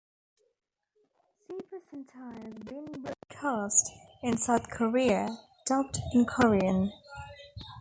Super Sentai has been broadcast in South Korea, dubbed in Korean.